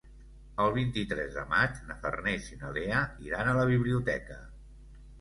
El vint-i-tres de maig na Farners i na Lea iran a la biblioteca.